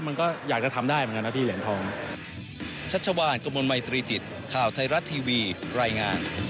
มันก็อยากจะทำได้เหมือนกันนะพี่เหรียญทอง